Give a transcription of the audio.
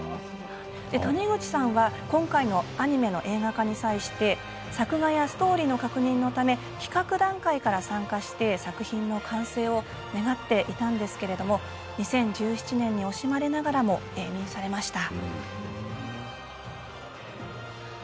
谷口さんは今回のアニメの映画化に際して作画やストーリーの確認のため企画段階から参加して作品の完成を願っていたんですけれども２０１７年に惜しまれながらも永眠されました。